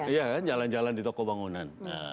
iya kan jalan jalan di toko bangunan